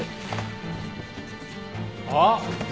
あっ！